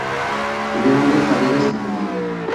Tuvieron dos maridos en común.